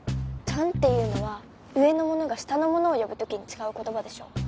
「ちゃん」っていうのは上の者が下の者を呼ぶ時に使う言葉でしょ。